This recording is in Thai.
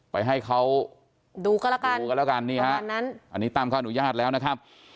ไปให้เขาดูกันแล้วกันอันนี้ตั้มเขาอนุญาตแล้วนะครับ